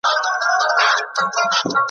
له ګوښې یې ښایسته مرغۍ څارله `